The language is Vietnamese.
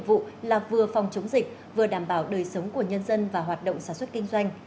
để thực hiện hai nhiệm vụ là vừa phòng chống dịch vừa đảm bảo đời sống của nhân dân và hoạt động sản xuất kinh doanh